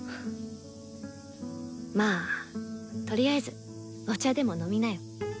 まあとりあえずお茶でも飲みなよ。